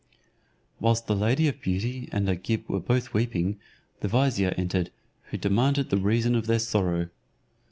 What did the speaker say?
Whilst the lady of beauty and Agib were both weeping, the vizier entered, who demanded the reason of their sorrow.